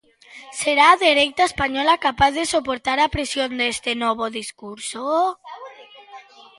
Será a dereita española capaz de soportar a presión deste novo discurso?